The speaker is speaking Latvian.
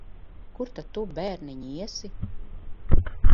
Kur tad tu, bērniņ, iesi?